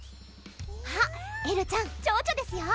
あっエルちゃんちょうちょですよ